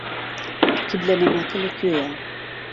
قیبلەنماکە لەکوێیە؟